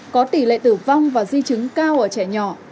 có tỷ lệ tử vong và di chứng cao ở trẻ nhỏ